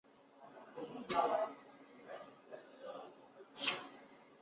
这个王朝以其自由主义政策以及对正义和慈善事业的关注而闻名。